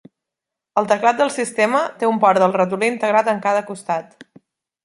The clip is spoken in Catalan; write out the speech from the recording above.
El teclat del sistema té un port del ratolí integrat en cada costat.